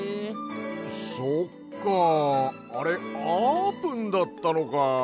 そっかあれあーぷんだったのか。